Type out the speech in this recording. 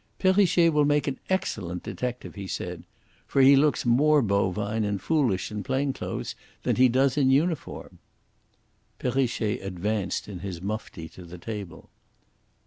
"Perrichet will make an excellent detective," he said; "for he looks more bovine and foolish in plain clothes than he does in uniform." Perrichet advanced in his mufti to the table.